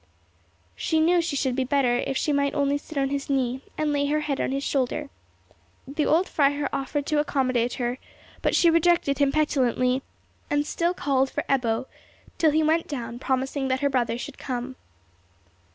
She knew she should be better if she might only sit on his knee, and lay her head on his shoulder. The old Freiherr offered to accommodate her; but she rejected him petulantly, and still called for Ebbo, till he went down, promising that her brother should come.